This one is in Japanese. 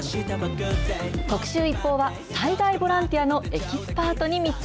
特集ＩＰＰＯＵは、災害ボランティアのエキスパートに密着。